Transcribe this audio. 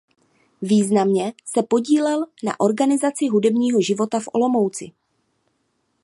Významně se podílel na organizaci hudebního života v Olomouci.